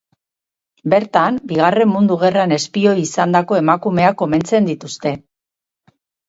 Bertan, bigarren mundu gerran espioi izandako emakumeak omentzen dituzte.